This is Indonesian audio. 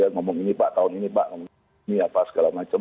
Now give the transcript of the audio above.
ngomong ini pak tahun ini pak segala macam